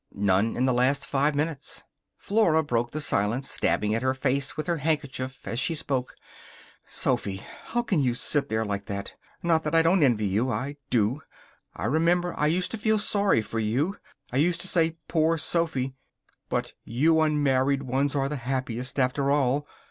None in the last five minutes. Flora broke the silence, dabbing at her face with her handkerchief as she spoke. "Sophy, how can you sit there like that? Not that I don't envy you. I do. I remember I used to feel sorry for you. I used to say 'Poor Sophy.' But you unmarried ones are the happiest, after all.